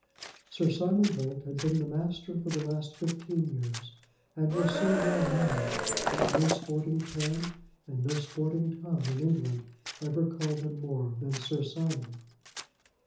Sir Simon Bolt had been the master for the last fifteen years, and was so well known that no sporting pen and no sporting tongue in England ever called him more than Sir Simon.